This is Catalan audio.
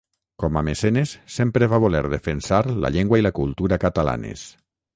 Com a mecenes, sempre va voler defensar la llengua i la cultura catalanes.